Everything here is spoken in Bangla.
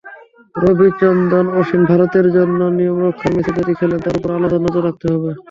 রবিচন্দ্রন অশ্বিনভারতের জন্য নিয়মরক্ষার ম্যাচে যদি খেলেন, তাঁর ওপর আলাদা নজর রাখতে হবে।